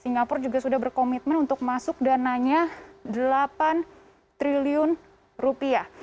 singapura juga sudah berkomitmen untuk masuk dananya delapan triliun rupiah